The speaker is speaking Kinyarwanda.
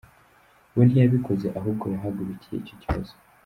We ntiyabikoze, ahubwo yahagurukiye icyo kibazo.